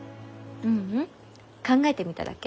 ううん。考えてみただけ。